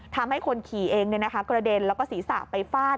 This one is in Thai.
ทำให้คนขี่เองกระเด็นแล้วสีสาปทนไปฝาด